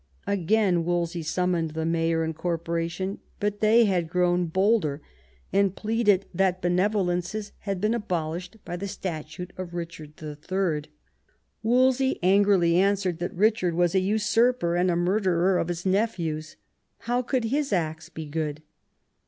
Again Wolsey summoned the mayor and corporation; but they had now grown bolder, and pleaded that bene volences hadbeen abolished by the statute of Eichard III. Wolsey angrily answered that Eichard was a usurper and a murderer of his nephews; how could his acts be good